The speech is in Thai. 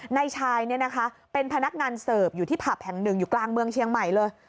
นายชายเป็นพนักงานเสิร์ฟอยู่ที่ผับแห่งหนึ่งอยู่กลางเมืองเชียงใหม่เลย